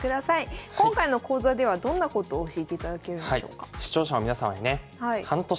今回の講座ではどんなことを教えていただけるんでしょうか？